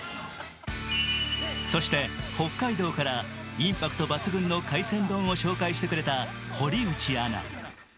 そして、北海道からインパクト抜群の海鮮丼を紹介してくれた堀内アナ。